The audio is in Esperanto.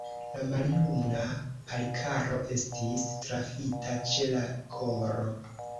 La maljuna Palikaro estis trafita ĉe la koro.